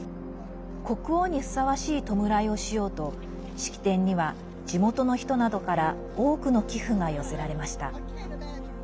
国王にふさわしい弔いをしようと式典には地元の人などから多くの寄付が寄せられました。